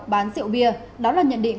bán rượu bia đó là nhận định